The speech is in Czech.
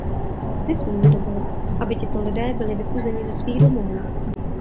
Nesmíme dovolit, aby tito lidé byli vypuzeni ze svých domovů.